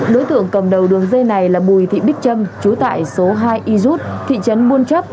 đối tượng cầm đầu đường dây này là bùi thị bích trâm chú tại số hai y rút thị trấn buôn chấp